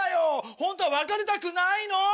ホントは別れたくないの！